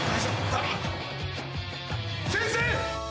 先生！